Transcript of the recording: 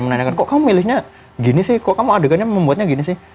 menanyakan kok kamu milihnya gini sih kok kamu adegannya membuatnya gini sih